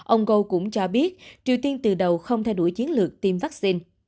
ông goog cũng cho biết triều tiên từ đầu không thay đổi chiến lược tiêm vaccine